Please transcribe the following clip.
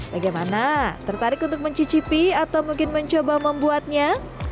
bagaimana tertarik untuk mencicipi atau mungkin mencoba membuatnya